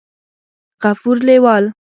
غفور لېوال